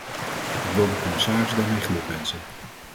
Ik wil de commissaris daarmee gelukwensen.